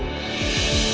bisa gitu huh